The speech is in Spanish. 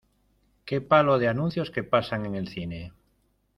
¡Qué palo de anuncios que pasan en el cine!